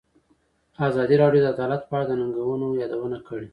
ازادي راډیو د عدالت په اړه د ننګونو یادونه کړې.